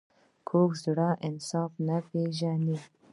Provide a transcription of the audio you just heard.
کوږ زړه انصاف نه پېژني